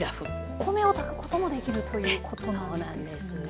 お米を炊くこともできるということなんですね。